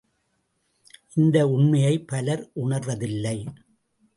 இந்த உண்மையைப் பலர் உணர்வதில்லை.